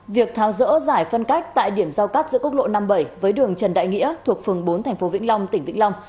việc tháo rỡ giải phân cách tại điểm giao cắt giữa quốc lộ năm mươi bảy với đường trần đại nghĩa thuộc phường bốn thành phố vĩnh long tỉnh vĩnh long